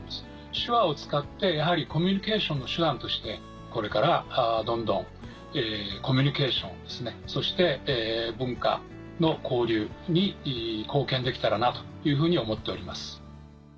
手話を使ってやはりコミュニケーションの手段としてこれからどんどんコミュニケーションそして文化の交流に貢献できたらなというふうに思っております。